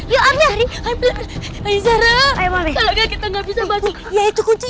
juga mata a sentence